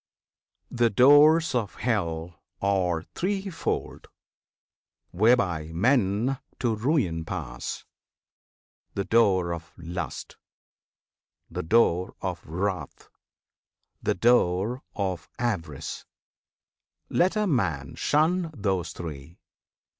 The Doors of Hell Are threefold, whereby men to ruin pass, The door of Lust, the door of Wrath, the door Of Avarice. Let a man shun those three!